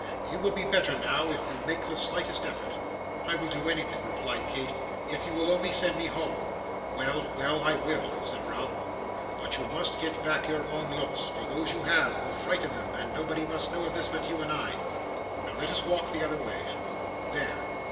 You will be better now, if you make the slightest effort.' 'I will do anything,' replied Kate, 'if you will only send me home.' 'Well, well, I will,' said Ralph; 'but you must get back your own looks; for those you have, will frighten them, and nobody must know of this but you and I. Now let us walk the other way. There.